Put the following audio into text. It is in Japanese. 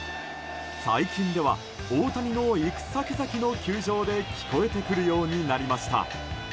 最近では大谷の行く先々の球場で聞こえてくるようになりました。